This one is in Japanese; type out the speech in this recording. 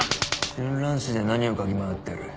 春蘭市で何を嗅ぎ回ってる？